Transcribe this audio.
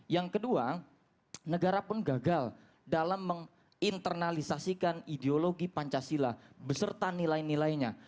yang kedua negara pun gagal dalam menginternalisasikan ideologi pancasila beserta nilai nilainya